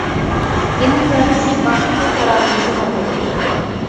ئىنىم ۋە بىز ئاخىرقى قارارىمىزدىن يانمىدۇق.